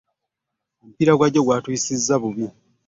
Omupiira gwa jjo gwatuyisizza bubi.